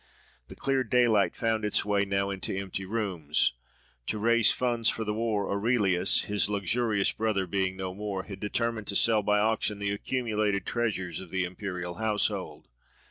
The clear daylight found its way now into empty rooms. To raise funds for the war, Aurelius, his luxurious brother being no more, had determined to sell by auction the accumulated treasures of the imperial household.